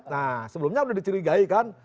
nah sebelumnya sudah dicurigai kan